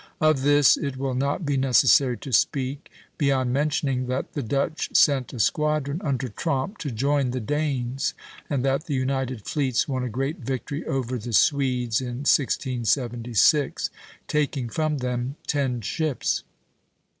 Of this it will not be necessary to speak, beyond mentioning that the Dutch sent a squadron under Tromp to join the Danes, and that the united fleets won a great victory over the Swedes in 1676, taking from them ten ships.